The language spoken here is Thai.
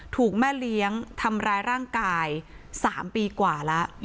ถูกแม่เลี้ยงทำร้ายร่างกาย๓ปีกว่าแล้ว